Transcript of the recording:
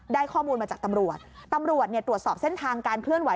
ข้อมูลมาจากตำรวจตำรวจเนี่ยตรวจสอบเส้นทางการเคลื่อนไห